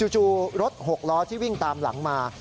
รถ๖ล้อที่วิ่งตามหลังมา